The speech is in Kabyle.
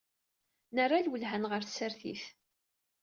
Nerra lwelha-nneɣ ɣer tsertit.